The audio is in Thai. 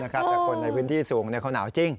แต่คนในพื้นที่สูงเขาหนาวจริง